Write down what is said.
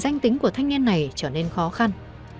danh tính của thanh niên này trở nên khó khăn